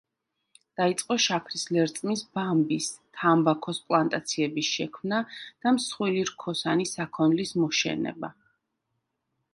დაიწყო შაქრის ლერწმის, ბამბის, თამბაქოს პლანტაციების შექმნა და მსხვილი რქოსანი საქონლის მოშენება.